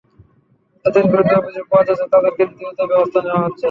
যাঁদের বিরুদ্ধে অভিযোগ পাওয়া যাচ্ছে, তাঁদের ক্ষেত্রে দ্রুত ব্যবস্থা নেওয়া হচ্ছে।